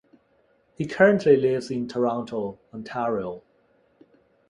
He currently lives in Toronto, Ontario.